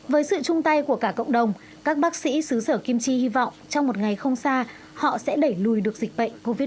với sự chung tay của cả cộng đồng các bác sĩ xứ sở kim chi hy vọng trong một ngày không xa họ sẽ đẩy lùi được dịch bệnh covid một mươi chín